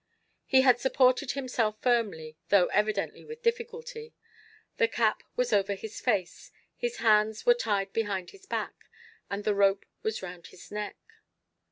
He had supported himself firmly though evidently with difficulty. The cap was over his face his hands were tied behind his back and the rope was round his neck.